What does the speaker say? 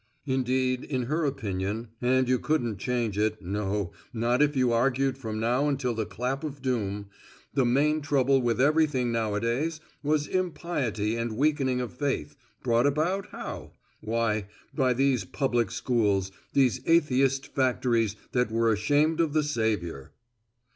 Indeed in her opinion, and you couldn't change it, no, not if you argued from now until the clap of doom, the main trouble with everything nowdays was impiety and weakening of faith, brought about how? Why, by these public schools, these atheist factories that were ashamed of the Saviour.